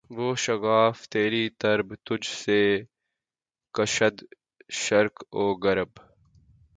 کوہ شگاف تیری ضرب تجھ سے کشاد شرق و غرب